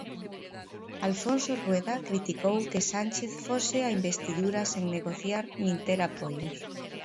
Alfonso Rueda criticou que Sánchez fose á investidura sen negociar nin ter apoios.